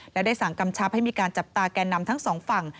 และได้สั่งกำชับให้มีการจับตาแก่นำทั้งสองฝั่ง